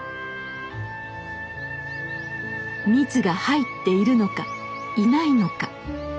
蜜が入っているのかいないのか。